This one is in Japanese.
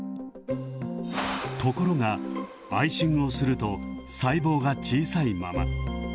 ところが、アイシングをすると、細胞が小さいまま。